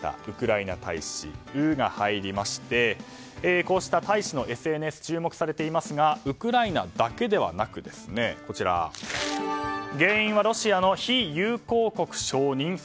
ウクライナ大使「ウ」が入りましてこうした大使のＳＮＳが注目されていますがウクライナだけではなく原因はロシアの非友好国承認？